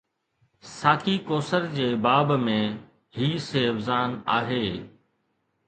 ساقي ڪوثر جي باب ۾ هي سيو زان آهي